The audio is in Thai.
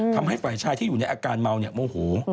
ทำให้ฝ่ายชายที่อยู่ในอาการเมาเนี่ยโมโห